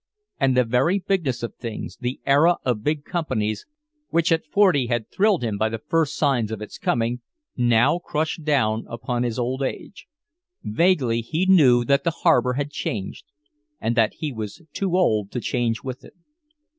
And the very bigness of things, the era of big companies which at forty had thrilled him by the first signs of its coming, now crushed down upon his old age. Vaguely he knew that the harbor had changed and that he was too old to change with it.